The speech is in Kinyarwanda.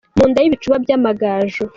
Mu nda y’ibicuba by’Amagaju.